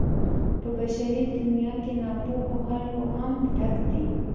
په بشري دنيا کې ناپوهو خلکو هم ډک دی.